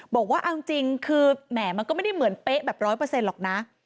บอกว่าอังจริงคือแหม่มันก็ไม่ได้เหมือนเป๊ะแบบ๑๐๐หรอกนะ